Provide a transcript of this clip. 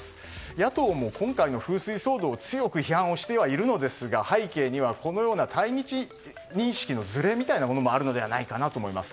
野党も今回の風水騒動を強く批判してはいるんですが背景にはこのような対日認識のずれみたいなものもあるのではないかなと思います。